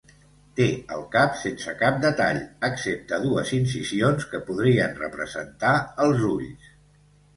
Té el cap sense cap detall, excepte dues incisions que podrien representar els ulls.